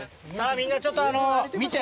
みんなちょっと見て。